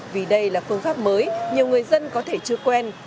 vì đây là phương pháp mới nhiều người dân có thể chưa quen